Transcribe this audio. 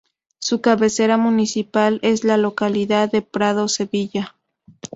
Su cabecera municipal es la localidad de Prado Sevilla.